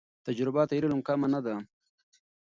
تجربه تر علم کمه نه ده.